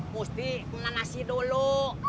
mesti menanasi dulu